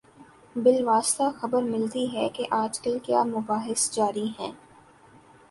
بالواسطہ خبر ملتی ہے کہ آج کل کیا مباحث جاری ہیں۔